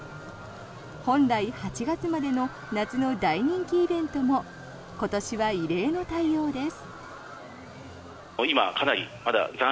本来、８月までの夏の大人気イベントも今年は異例の対応です。